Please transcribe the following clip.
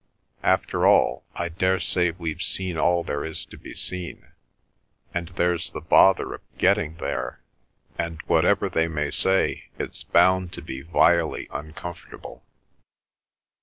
"After all, I daresay we've seen all there is to be seen; and there's the bother of getting there, and whatever they may say it's bound to be vilely uncomfortable."